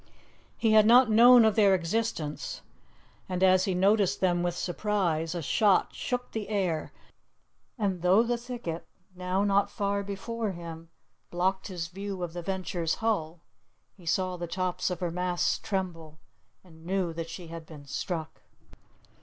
He had not known of their existence, and as he noticed them with surprise, a shot shook the air, and though the thicket, now not far before him, blocked his view of the Venture's hull, he saw the tops of her masts tremble, and knew that she had been struck.